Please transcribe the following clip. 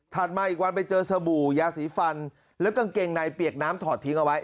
มาอีกวันไปเจอสบู่ยาสีฟันแล้วกางเกงในเปียกน้ำถอดทิ้งเอาไว้